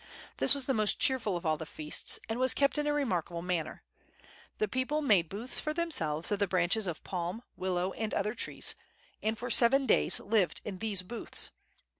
"This was the most cheerful of all the feasts, and was kept in a remarkable manner. The people made booths for themselves of the branches of palm, willow, and other trees, and for seven days lived in these booths.